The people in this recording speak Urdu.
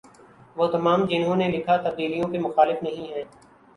وہ تمام جنہوں نے لکھا تبدیلیوں کے مخالف نہیں ہیں